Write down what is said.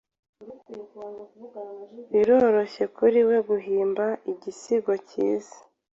Biroroshye kuri we guhimba igisigo cyiza.